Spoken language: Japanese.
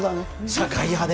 社会派で。